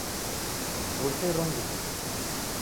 Mrushe iro nguw'o